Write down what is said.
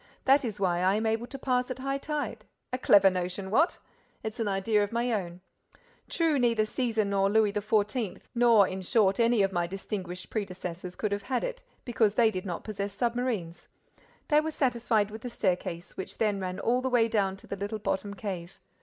That is why I am able to pass at high tide. A clever notion, what? It's an idea of my own. True, neither Cæsar nor Louis XIV., nor, in short, any of my distinguished predecessors could have had it, because they did not possess submarines. They were satisfied with the staircase, which then ran all the way down to the little bottom cave.